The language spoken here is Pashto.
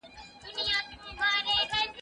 موږ باید تولیدي څانګي نوري هم پیاوړي کړو.